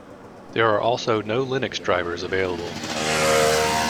There are also no Linux drivers available.